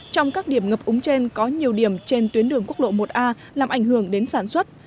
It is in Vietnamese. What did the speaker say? trong các điểm ngập úng trên có nhiều điểm trên tuyến đường quốc lộ một a làm ảnh hưởng đến sản xuất